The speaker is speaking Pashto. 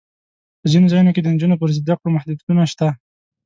په ځینو ځایونو کې د نجونو پر زده کړو محدودیتونه شته.